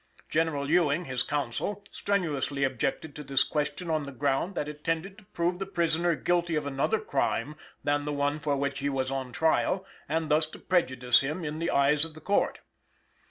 General Ewing, his counsel, strenuously objected to this question on the ground, that it tended to prove the prisoner guilty of another crime than the one for which he was on trial, and thus to prejudice him in the eyes of the Court.